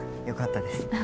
よかったです。